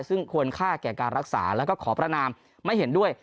ซึ่งควรค่าแก่การรักษาแล้วก็ขอประนามไม่เห็นด้วย